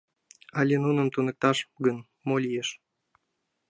Але нуным туныкташ гын, мо лиеш?